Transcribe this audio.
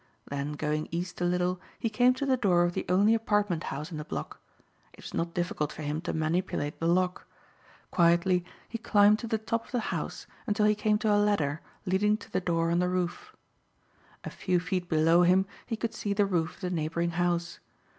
Then going east a little, he came to the door of the only apartment house in the block. It was not difficult for him to manipulate the lock. Quietly he climbed to the top of the house until he came to a ladder leading to the door on the roof. A few feet below him he could see the roof of the neighboring house.